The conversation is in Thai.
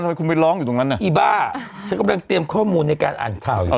ทำไมคุณไปร้องอยู่ตรงนั้นน่ะอีบ้าฉันกำลังเตรียมข้อมูลในการอ่านข่าวอยู่